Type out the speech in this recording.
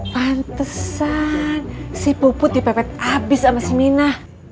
pantesan si puput dipepet habis sama si mina